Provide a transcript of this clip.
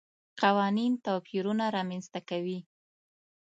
قوانین توپیرونه رامنځته کوي.